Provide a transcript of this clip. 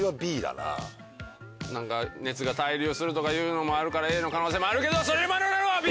なんか熱が対流するとかいうのもあるからＡの可能性もあるけどソレマルなのはＢ！